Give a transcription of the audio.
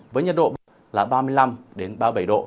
với nhiệt độ là ba mươi năm ba mươi bảy độ